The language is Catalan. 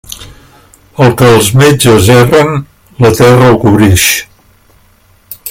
El que els metges erren, la terra ho cobrix.